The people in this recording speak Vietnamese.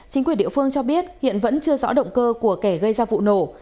chính quyền địa phương cho biết hiện vẫn chưa rõ động cơ của kẻ gây ra vụ nổ